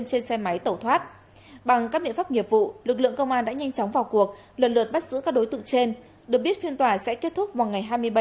kết thúc vào ngày hai mươi bảy tháng một mươi